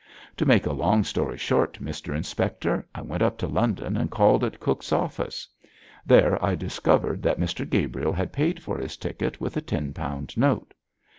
To make a long story short, Mr Inspector, I went up to London and called at Cook's office. There I discovered that Mr Gabriel had paid for his ticket with a ten pound note.